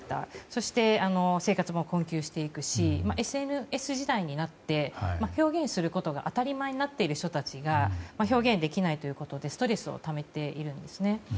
そして、生活も困窮していくしＳＮＳ時代になって表現することが当たり前になっている人たちが表現できないということでストレスをためているんですね。